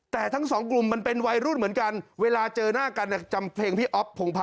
แต่ทั้งสองกลุ่มมันเป็นวัยรุ่นเหมือนกันเวลาเจอหน้ากันจำเพลงพี่อ๊อฟพงภา